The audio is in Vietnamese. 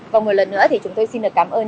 và một lần nữa thì chúng tôi xin được cảm ơn